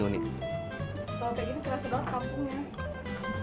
kalau kayak gini kerasa banget kampungnya